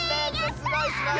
すごいすごい！